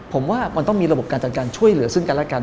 ผมว่ามันต้องมีระบบการจัดการช่วยเหลือซึ่งกันและกัน